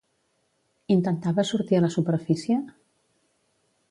Intentava sortir a la superfície?